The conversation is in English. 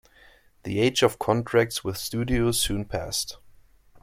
The age of contracts with studios soon passed.